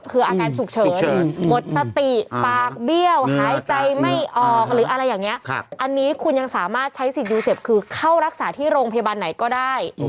คืออาการฉุกเฉินหมดสติปากเบี้ยวหายใจไม่ออกหรืออะไรอย่างนี้อันนี้คุณยังสามารถใช้สิทธิยูเซฟคือเข้ารักษาที่โรงพยาบาลไหนก็ได้